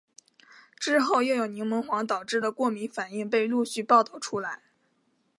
之后又有柠檬黄导致的过敏反应被陆续报道出来。